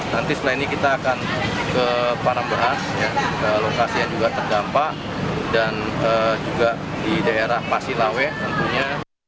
nanti setelah ini kita akan ke param beras ke lokasi yang juga terdampak dan juga di daerah pasilawe tentunya